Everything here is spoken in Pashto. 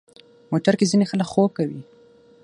موټر کې ځینې خلک خوب کوي.